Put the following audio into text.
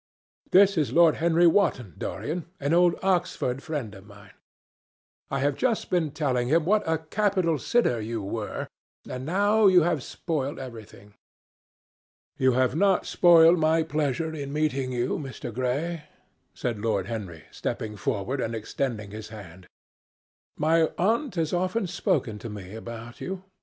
"This is Lord Henry Wotton, Dorian, an old Oxford friend of mine. I have just been telling him what a capital sitter you were, and now you have spoiled everything." "You have not spoiled my pleasure in meeting you, Mr. Gray," said Lord Henry, stepping forward and extending his hand. "My aunt has often spoken to me about you.